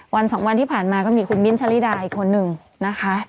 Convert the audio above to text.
วันสองวันที่ผ่านมาก็มีคุณมิ้นทะลิดาอีกคนนึงนะคะ